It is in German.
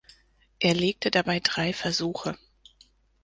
Er legte dabei drei Versuche.